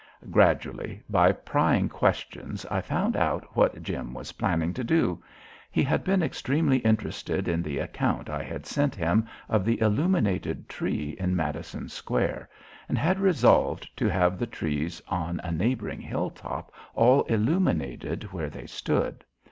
Gradually by prying questions I found out what Jim was planning to do. He had been extremely interested in the account I had sent him of the illuminated tree in Madison Square, and had resolved to have the trees on a neighboring hill top all illuminated where they stood.